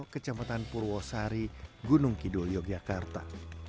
kecamatan purwo sari gunung kidul yogyakarta